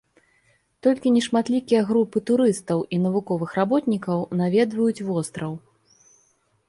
Толькі нешматлікія групы турыстаў і навуковых работнікаў наведваюць востраў.